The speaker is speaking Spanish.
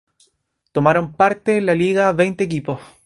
Tomaron parte en la liga veinte equipos.